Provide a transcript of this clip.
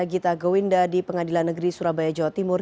gita gowinda di pengadilan negeri surabaya jawa timur